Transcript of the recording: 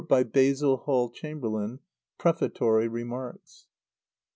By Basil Hall Chamberlain. _Prefatory Remarks.